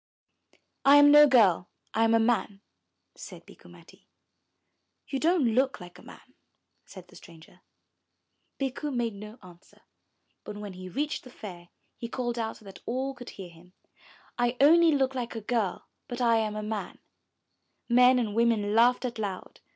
"I am no girl, I am a man," said Bikku Matti. "You don't look like a man," said the stranger. 398 it n ii UP ONE PAIR OF STAIRS Bikku made no answer, but when he reached the Fair he called out so that all could hear him, ''I only look like a girl, but I am a man/* Men and women laughed out loud.